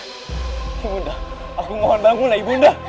ibu dia aku mohon bangunlah ibu dia